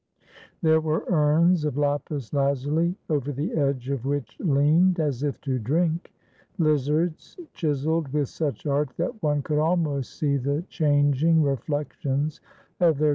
There were urns of lapis lazuli over the edge of which leaned, as if to drink, hzards chiselled with such art that one could almost see the changing reflections of their gol 1 From Ascanio.